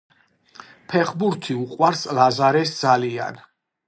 ფეხბურთი უყვარს ლაზარეს ძალიან